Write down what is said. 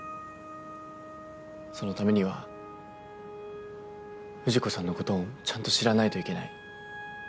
そのためには藤子さんのことをちゃんと知らないといけない。